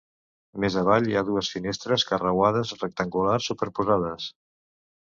Més avall hi ha dues finestres carreuades rectangulars superposades.